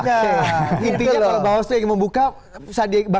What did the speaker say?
intinya kalau bawaslu yang membuka